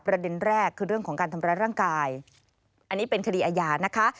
ประเด็นแรกคือเรื่องของการทำร้ายร่างกายอันนี้เป็นคดีอาญานะคะ